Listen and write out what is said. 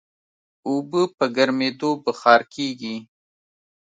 اوبه په ګرمېدو بخار کېږي.